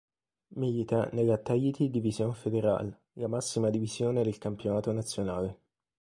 Milita nella Tahiti Division Fédérale, la massima divisione del campionato nazionale.